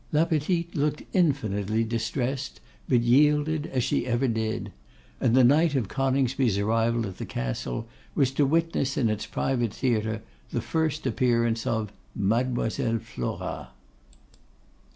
La Petite looked infinitely distressed, but yielded, as she ever did. And the night of Coningsby's arrival at the Castle was to witness in its private theatre the first appearance of MADEMOISELLE FLORA.